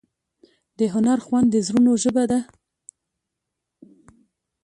د هنر خوند د زړونو ژبه ده.